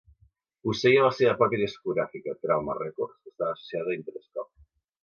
Posseïa la seva pròpia discogràfica Trauma Records, que estava associada a Interscope.